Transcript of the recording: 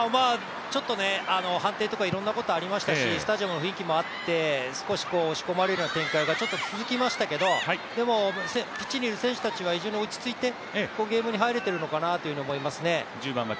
判定とかいろんなことありましたし、スタジアムの雰囲気もあって少し押し込まれるような展開が続きましたけれども、ピッチにいる選手たちは非常に落ち着いてゲームに入れているのかなと思いますね。